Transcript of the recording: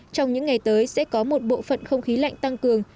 trong những ngày tới sẽ có một bộ phận không khí lạnh tăng cường